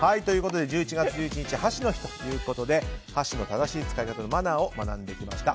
１１月１１日箸の日ということで箸の正しい使い方のマナーを学んできました。